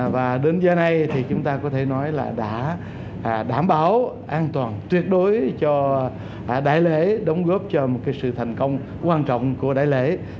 và đến giờ nay thì chúng ta có thể nói là đã đảm bảo an toàn tuyệt đối cho đại lễ đóng góp cho một sự thành công quan trọng của đại lễ